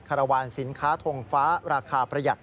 รวาลสินค้าทงฟ้าราคาประหยัด